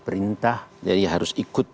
perintah jadi harus ikut